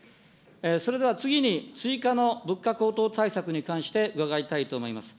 それでは次に、追加の物価高騰対策に関して伺いたいと思います。